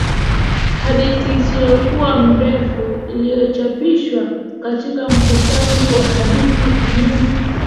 hadithi isiyokuwa ndefu iliyochapishwa katika mkusanyiko wa hadithi nyingine.